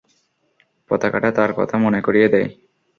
পতাকাটা তার কথা মনে করিয়ে দেয়।